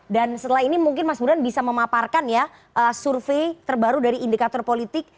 dan setelah ini mungkin mas burhan bisa memaparkan ya survei terbaru dari indikator politik